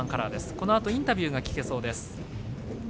このあとインタビューが聞けそうです。